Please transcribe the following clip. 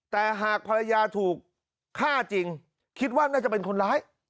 แต่หากภรรยาถูกฆ่าจริงคิดว่าน่าจะเป็นคนร้าย